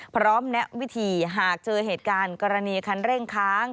แนะวิธีหากเจอเหตุการณ์กรณีคันเร่งค้าง